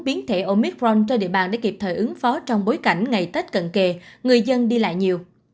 biến thể omitron trên địa bàn để kịp thời ứng phó trong bối cảnh ngày tết cận kề người dân đi lại nhiều